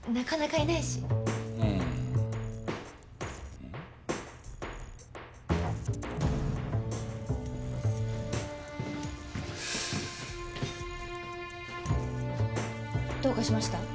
あぁうん？どうかしました？